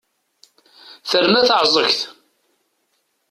Terna taεẓegt!